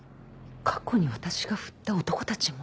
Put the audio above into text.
過去に私が振った男たちも。